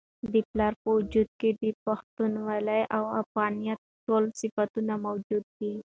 د پلار په وجود کي د پښتونولۍ او افغانیت ټول صفتونه موجود وي.